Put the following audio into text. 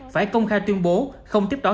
phải công khai tuyên bố không tiếp đón